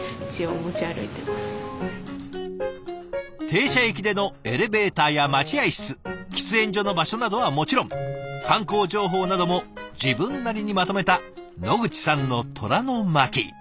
停車駅でのエレベーターや待合室喫煙所の場所などはもちろん観光情報なども自分なりにまとめた野口さんの虎の巻。